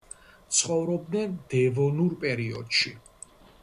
ცხოვრობდნენ დევონურ პერიოდში.